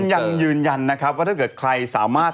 ยังยืนยันนะครับว่าถ้าเกิดใครสามารถ